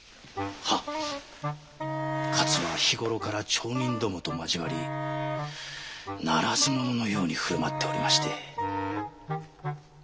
はっ勝は日頃から町民どもと交わりならず者のようにふるまっておりまして。